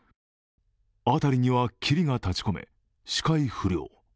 辺りには霧が立ち込め視界不良。